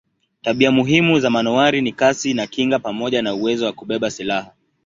Tabia muhimu za manowari ni kasi na kinga pamoja na uwezo wa kubeba silaha.